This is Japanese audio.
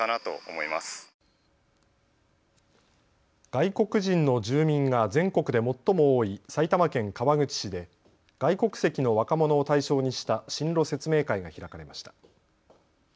外国人の住民が全国で最も多い埼玉県川口市で外国籍の若者を対象にした進路説明会が開かれました。